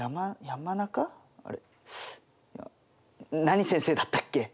何先生だったっけ？